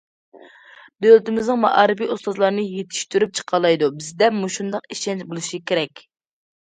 دۆلىتىمىزنىڭ مائارىپى ئۇستازلارنى يېتىشتۈرۈپ چىقالايدۇ، بىزدە مۇشۇنداق ئىشەنچ بولۇشى كېرەك!